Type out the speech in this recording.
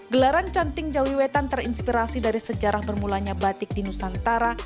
gelaran canting jawi wetan terinspirasi dari sejarah bermulanya batik di nusantara